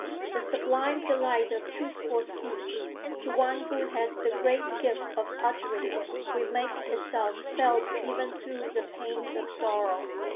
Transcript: The sublime delight of truthful speech to one who has the great gift of uttering it, will make itself felt even through the pangs of sorrow.